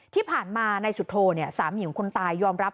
ที่ผ่านมานายสุโธสามีของคนตายยอมรับ